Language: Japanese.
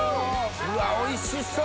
うわおいしそう！